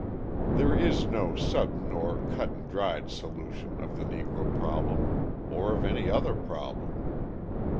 There is no sudden or cut and dried solution of the Negro problem, or of any other problem.